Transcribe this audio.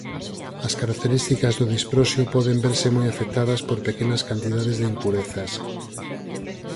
As características do disprosio poden verse moi afectadas por pequenas cantidades de impurezas.